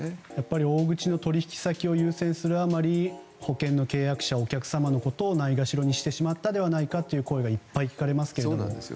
大口の取引先を優先するあまり保険の契約者、お客様の声をないがしろにしてしまったのではないかという声がいっぱい聞かれますけども。